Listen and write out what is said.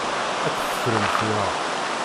Ad tt-teffremt, naɣ?